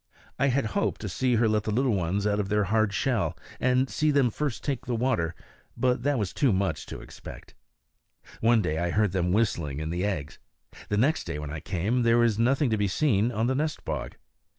I had hoped to see her let the little ones out of their hard shell, and see them first take the water; but that was too much to expect. One day I heard them whistling in the eggs; the next day, when I came, there was nothing to be seen on the nest bog.